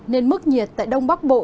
nên mức nhiệt tại đông bắc bộ